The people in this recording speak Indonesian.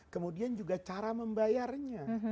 kemudian juga cara membayarnya